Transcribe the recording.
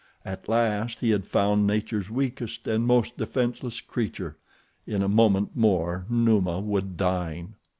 At last he had found nature's weakest and most defenseless creature—in a moment more Numa would dine.